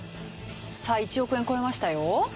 さあ１億円超えましたよ。